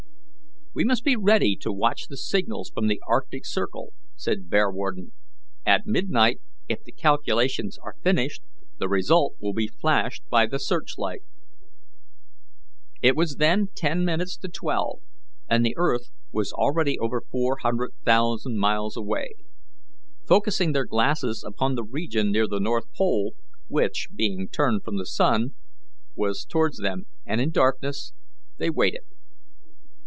"We must be ready to watch the signals from the arctic circle," said Bearwarden. "At midnight, if the calculations are finished, the result will be flashed by the searchlight." It was then ten minutes to twelve, and the earth was already over four hundred thousand miles away. Focusing their glasses upon the region near the north pole, which, being turned from the sun, was towards them and in darkness, they waited.